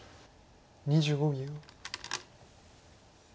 ２５秒。